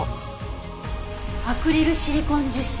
「アクリルシリコン樹脂」？